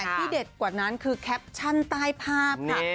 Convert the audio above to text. ที่เด็ดกว่านั้นคือแคปชั่นใต้ภาพค่ะ